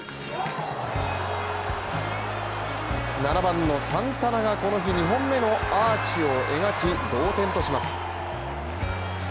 ７番のサンタナがこの日２本目のアーチを描き、同点とします。